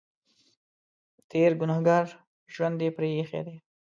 تېر ګنهګار ژوند یې پرې اېښی دی.